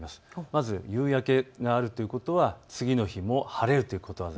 まず夕焼けがあるということは次の日も晴れるということ。